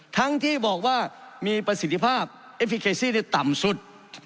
ทั้งที่บอกว่ามีประสิทธิภาพต่ำสุด